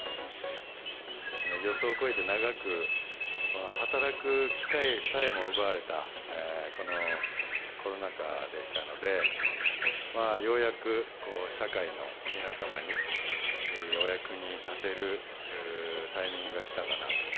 予想を超えて、長く働く機会さえも奪われたこのコロナ禍でしたので、ようやく社会の皆様に、お役に立てるタイミングが来たかなと。